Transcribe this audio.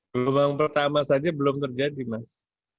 gelombang pertama saja belum terjadi mas